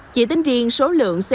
chỉ tính riêng số lượng xe